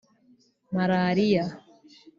maraliya